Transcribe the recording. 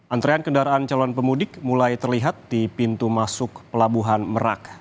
antrean kendaraan calon pemudik mulai terlihat di pintu masuk pelabuhan merak